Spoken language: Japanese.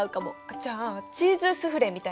じゃあチーズスフレみたいに？